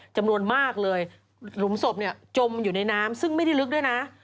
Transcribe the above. จำนวนมากเลยหลุมศพเนี่ยจมอยู่ในน้ำซึ่งไม่ได้ลึกด้วยนะ